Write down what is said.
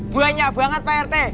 banyak banget pak rt